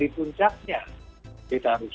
puncaknya kita harus